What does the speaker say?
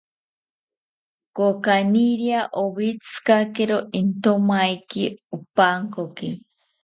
Kokaniria owetzikakiro intomaeki opankoki